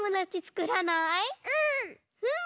うん！